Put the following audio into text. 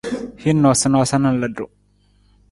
Hin noosanoosa na ludu.